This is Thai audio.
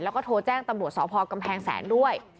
แล้วก็โทรแจ้งตำรวจสพกำแพงแสนด้วย